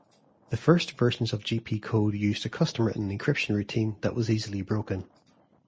The first versions of Gpcode used a custom-written encryption routine that was easily broken.